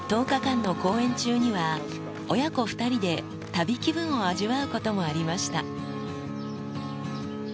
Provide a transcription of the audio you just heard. １０日間の公演中には、親子２人で旅気分を味わうこともありました。